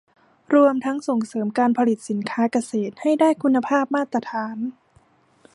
รวมทั้งส่งเสริมการผลิตสินค้าเกษตรให้ได้คุณภาพมาตรฐาน